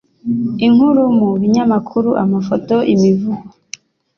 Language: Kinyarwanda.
inkuru mu binyamakuru, amafoto, imivugo